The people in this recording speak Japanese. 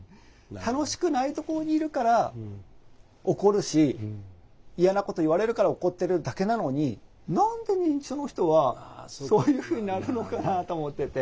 楽しくないところにいるから怒るし嫌なこと言われるから怒ってるだけなのに何で認知症の人はそういうふうになるのかなと思ってて。